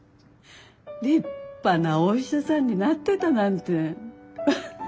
立派なお医者さんになってたなんて。